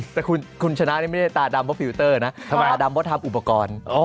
แต่คุณชนะนี่ไม่ได้ตาดำเพราะฟิลเตอร์นะธรรมดาดำเพราะทำอุปกรณ์